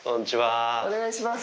お願いします。